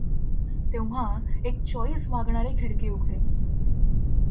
तेव्हा एक चॉइस मागणारी खिडकी उघडेल.